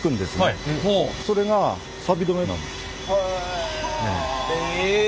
へえ。